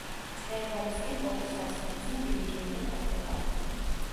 მწვერვალისკენ ორი საცხენოსნო ბილიკი მიემართება.